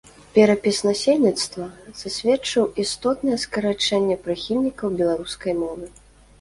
Перапіс насельніцтва засведчыў істотнае скарачэнне прыхільнікаў беларускай мовы.